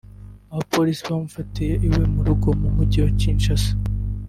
Abapolisi bamufatiye iwe mu rugo mu Mujyi wa Kinshasa